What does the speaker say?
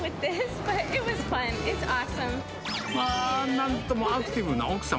まあ、なんともアクティブな奥様。